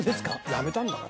やめたんだもん。